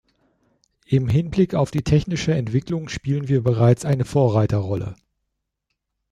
Im Hinblick auf die technische Entwicklung spielen wir bereits eine Vorreiterrolle.